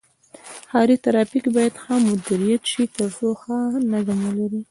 ښاري ترافیک باید ښه مدیریت شي تر څو ښار نظم ولري.